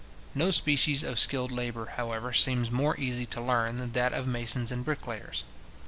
No species of skilled labour, however, seems more easy to learn than that of masons and bricklayers.